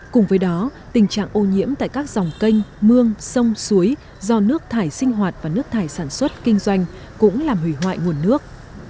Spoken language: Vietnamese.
cùng với đó tình trạng ô nhiễm tại các dòng canh mương sông suối do nước thải sinh hoạt và nước thải sản xuất kinh doanh cũng làm hủy hoại nguồn nước